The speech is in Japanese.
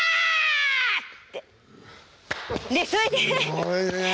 すごいねえ。